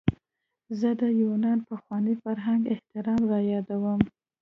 زه د یونان پخوانی فرهنګي احترام رایادوم.